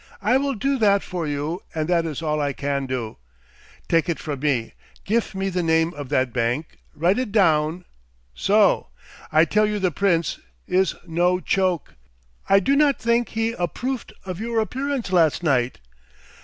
I will do that for you, and that is all I can do. Take it from me. Gif me the name of that bank. Write it down. So! I tell you the Prince is no choke. I do not think he approffed of your appearance last night.